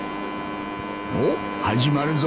おっ始まるぞ。